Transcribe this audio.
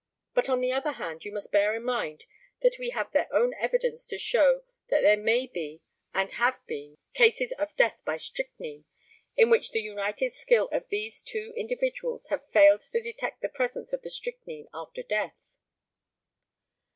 But, on the other hand, you must bear in mind that we have their own evidence to show that there may be and have been cases of death by strychnine in which the united skill of these two individuals have failed to detect the presence of the strychnine after death.